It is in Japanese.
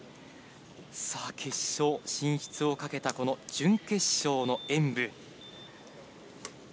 さあ、決勝進出をかけたこの準決勝の演武。